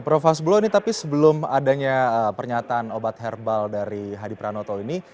prof hasbulo ini tapi sebelum adanya pernyataan obat herbal dari hadi pranoto ini